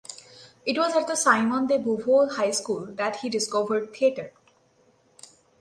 It was at the Simone de Beauvoir high school that he discovered theater.